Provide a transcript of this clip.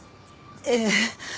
ええ。